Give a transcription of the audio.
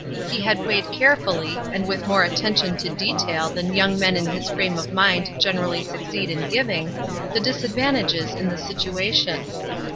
He had weighed carefully, and with more attention to detail than young men in his frame of mind gener ally succeed in giving, the disadvantages in the situation.